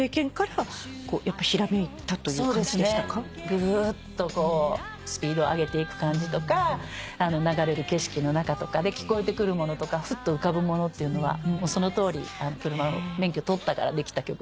ぐーっとこうスピードを上げていく感じとか流れる景色の中とかで聞こえてくるものとかふっと浮かぶものっていうのはそのとおり車を免許取ったからできた曲ですね。